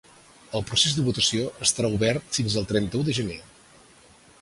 El procés de votació estarà obert fins al trenta-u de gener.